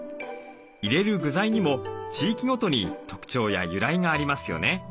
入れる具材にも地域ごとに特徴や由来がありますよね。